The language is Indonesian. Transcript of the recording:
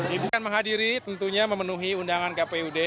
ini kan menghadiri tentunya memenuhi undangan kpud